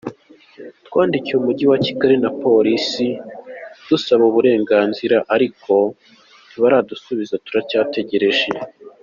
Twandikiye Umujyi wa Kigali na Polisi dusaba uburenganzira ariko ntibaradusubiza turacyategereje.